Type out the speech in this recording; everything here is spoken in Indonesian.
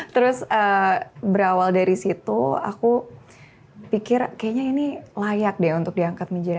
terus berawal dari situ aku pikir kayaknya ini layak deh untuk diangkat menjadi